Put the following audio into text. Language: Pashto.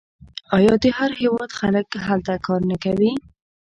آیا د هر هیواد خلک هلته کار نه کوي؟